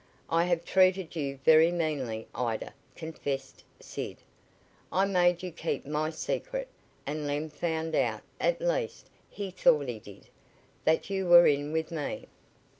"I have treated you very meanly, Ida," confessed Sid. "I made you keep my secret, and Lem found out at least, he thought he did that you were in with me."